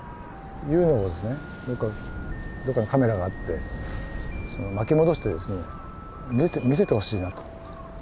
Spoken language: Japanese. どっかにカメラがあって巻き戻してですね見せてほしいなと。